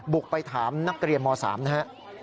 บุกไปถามนักเรียนม๓นะครับ